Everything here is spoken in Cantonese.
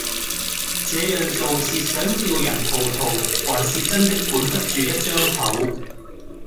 這樣做是想叫人葡萄還是真的管不住一張口